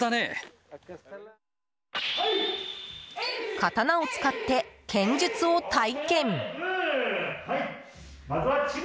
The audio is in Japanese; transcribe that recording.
刀を使って剣術を体験。